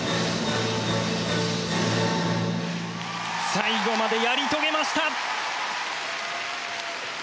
最後までやり遂げました！